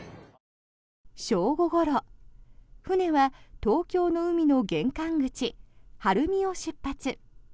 正午ごろ船は東京の海の玄関口晴海を出発。